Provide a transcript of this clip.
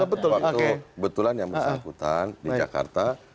betul waktu betulan yang bersangkutan di jakarta